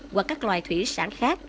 hoặc các loài thủy sản khác